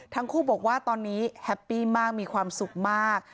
ทั้งคู่บอกว่าตอนนี้แฮปปี้มากมีความสุขมาก